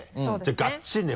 がっちりね